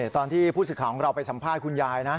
ตอนที่ผู้สื่อข่าวของเราไปสัมภาษณ์คุณยายนะ